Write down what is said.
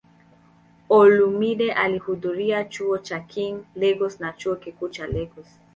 Olumide alihudhuria Chuo cha King, Lagos na Chuo Kikuu cha Lagos.